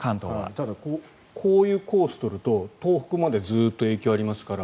ただ、こういうコースを取ると東北までずっと影響がありますから。